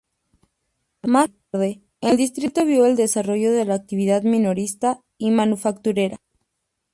Más tarde, el distrito vio el desarrollo de la actividad minorista y manufacturera.